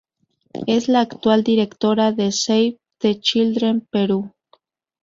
Es la actual Directora de Save the Children Perú.